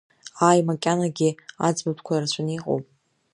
Ааи, макьанагьы аӡбатәқәа рацәаны иҟоуп.